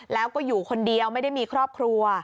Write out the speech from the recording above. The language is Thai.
แล้วก็อยู่คนเดียวไม่ได้มีครอบครัว